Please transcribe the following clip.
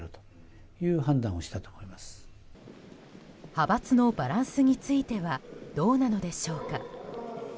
派閥のバランスについてはどうなのでしょうか。